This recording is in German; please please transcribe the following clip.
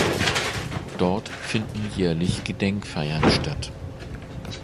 Dort finden jährlich Gedenkfeiern statt.